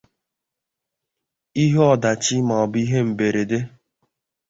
ihe ọdachi maọbụ ihe mberede.